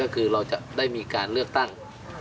คือเราจะได้มีการเลือกตั้ง